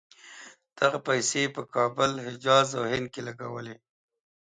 دغه پیسې یې په کابل، حجاز او هند کې لګولې.